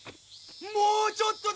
もうちょっとだぞ！